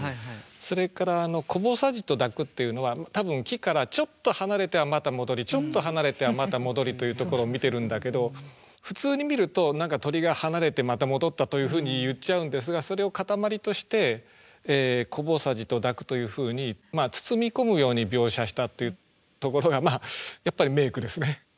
それから「こぼさじと抱く」っていうのは多分木からちょっと離れてはまた戻りちょっと離れてはまた戻りというところを見てるんだけど普通に見ると何か鳥が離れてまた戻ったというふうに言っちゃうんですがそれを固まりとして「こぼさじと抱く」というふうに包み込むように描写したっていうところがやっぱり名句ですね。